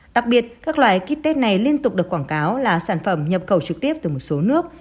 đặc biệt các loại kites này liên tục được quảng cáo là sản phẩm nhập khẩu trực tiếp từ một số nước